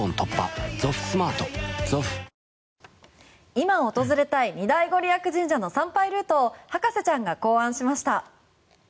今、訪れたい二大ご利益神社の参拝ルートを博士ちゃんが考案しました！